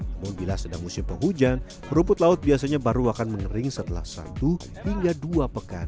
namun bila sedang musim penghujan rumput laut biasanya baru akan mengering setelah satu hingga dua pekan